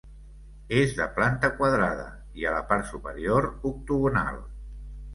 És de planta quadrada i a la part superior, octogonal.